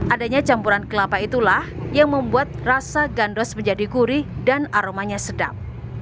adanya campuran kelapa itulah yang membuat rasa gandos menjadi gurih dan aromanya sedap